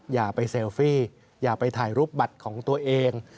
อย่าไปเซลฟี่อย่าไปถ่ายรูปบัตรของตัวเอง